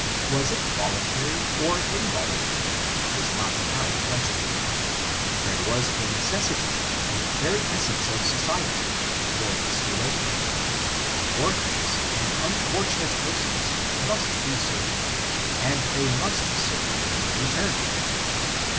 Was it voluntary or involuntary, is not now the question. There was a necessity, in the very essence of society, for this relation. Orphans, and unfortunate persons, must be served, and they must 8er\'e in return.